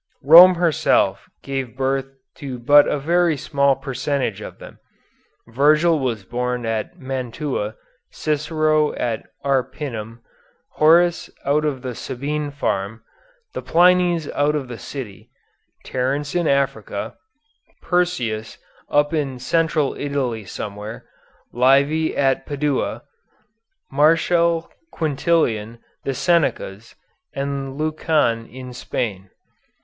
Rome herself gave birth to but a very small percentage of them. Virgil was born at Mantua, Cicero at Arpinum, Horace out on the Sabine farm, the Plinys out of the city, Terence in Africa, Persius up in Central Italy somewhere, Livy at Padua, Martial, Quintilian, the Senecas, and Lucan in Spain.